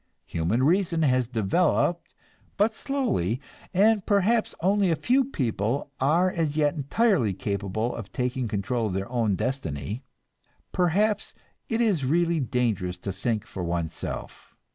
Human reason has developed but slowly, and perhaps only a few people are as yet entirely capable of taking control of their own destiny; perhaps it is really dangerous to think for oneself!